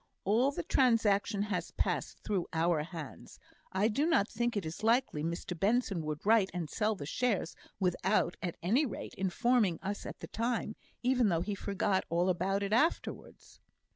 All the transaction has passed through our hands. I do not think it is likely Mr Benson would write and sell the shares without, at any rate, informing us at the time, even though he forgot all about it afterwards."